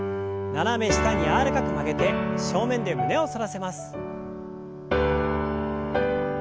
斜め下に柔らかく曲げて正面で胸を反らせます。